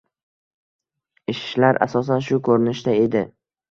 Ishlar asosan shu ko‘rinishda edi